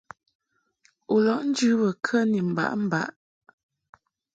U lɔʼ njɨ bə kə ni mbaʼmbaʼ ?